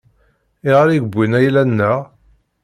Ayɣer i wwin ayla-nneɣ?